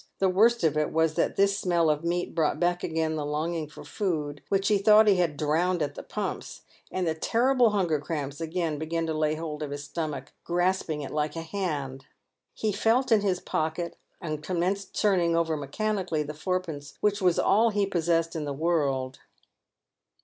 The worst of it was that this smell of meat brought back again the longing for food which he thought he had drowned at the pumps, and the terrible hunger cramps again began to lay hold of his stomach, grasping it like a hand. He felt in his pocket, and commenced turning over mechanically the fourpence, which was all he possessed in the world.